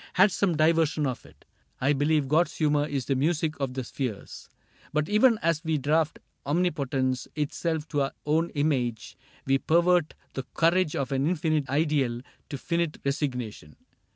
Had some diversion of it : I believe God's humor is the music of the spheres — But even as we draft omnipotence Itself to our own image, we pervert The courage of an infinite ideal To finite resignation.